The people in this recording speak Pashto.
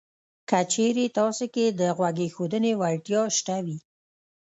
که چېرې تاسې کې د غوږ ایښودنې وړتیا شته وي